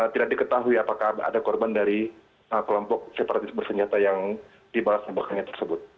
tidak diketahui apakah ada korban dari kelompok separatis bersenjata yang dibalas di belakangnya tersebut